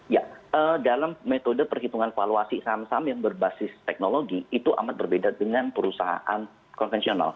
ya dalam metode perhitungan valuasi saham saham yang berbasis teknologi itu amat berbeda dengan perusahaan konvensional